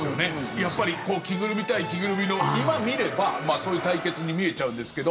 やっぱり着ぐるみ対着ぐるみの今見れば、そういう対決に見えちゃうんですけど。